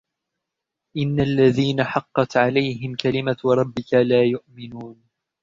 إِنَّ الَّذِينَ حَقَّتْ عَلَيْهِمْ كَلِمَتُ رَبِّكَ لَا يُؤْمِنُونَ